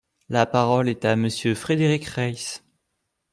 La parole est à Monsieur Frédéric Reiss.